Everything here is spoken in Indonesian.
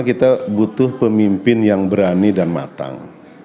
kita butuh pemimpin yang berani dan matang